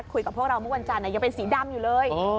คุยกับพวกเราเมื่อวันจันทร์ยังเป็นสีดำอยู่เลย